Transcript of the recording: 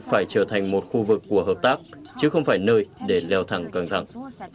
phải trở thành một khu vực của hợp tác chứ không phải nơi để leo thẳng căng thẳng